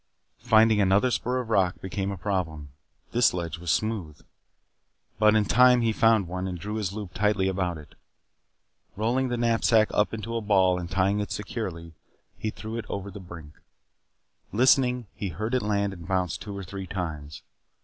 Finding another spur of rock became a problem. This ledge was smooth. But in time he found one and drew his loop tightly about it. Rolling the knapsack up into a ball and tying it securely, he threw it over the brink. Listening, he heard it land and bounce two or three times.